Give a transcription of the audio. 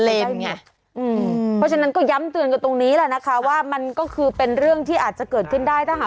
เอออาจจะเป็นเลนเนี่ยมันก็เลยกลิ่นเลนเนี่ยอืม